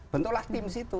bentuklah tim di situ